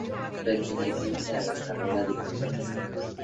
Perteneciente a la carrera diplomática.